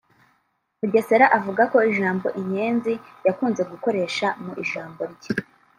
Mugesera avuga ko ijambo inyenzi yakunze gukoresha mu ijambo rye